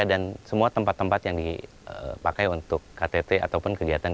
dan semua tempat tempat yang dipakai untuk ktt ataupun kegiatan g dua puluh